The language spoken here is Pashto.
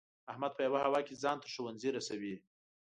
احمد په یوه هوا کې ځان تر ښوونځي رسوي.